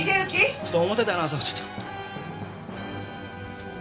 ちょっと。